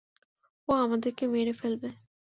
ও আমাদেরকে মেরে ফেলবে।